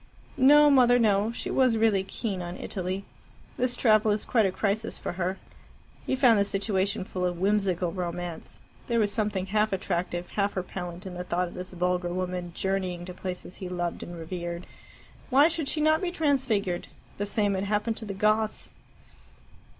"No, Mother; no. She was really keen on Italy. This travel is quite a crisis for her." He found the situation full of whimsical romance: there was something half attractive, half repellent in the thought of this vulgar woman journeying to places he loved and revered. Why should she not be transfigured? The same had happened to the Goths.